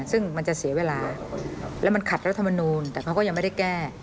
ซึ่งมันจะเสียเวลาแล้วมันขัดรัฐมนูลแต่เขาก็ยังไม่ได้แก้